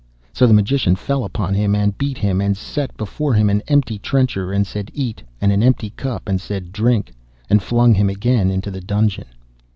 So the Magician fell upon him, and beat him, and set before him an empty trencher, and said, 'Eat,' and an empty cup, and said, 'Drink,' and flung him again into the dungeon.